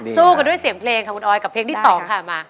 สู้กันด้วยเสียงเพลงค่ะคุณออยกับเพลงที่๒ค่ะมา